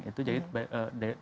sudah ada program palaparing itu